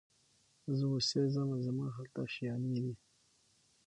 زه اوسېږمه زما هلته آشیانې دي